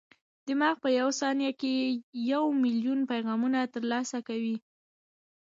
دماغ په یوه ثانیه کې یو ملیون پیغامونه ترلاسه کوي.